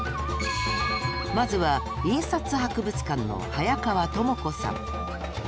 まずは印刷博物館の早川知子さん。